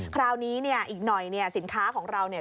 คราวนี้เนี่ยอีกหน่อยเนี่ยสินค้าของเราเนี่ย